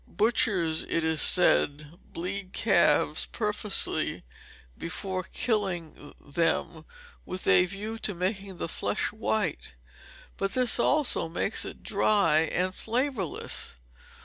Butchers, it is said, bleed calves purposely before killing them, with a view to make the flesh white, but this also makes it dry and flavourless.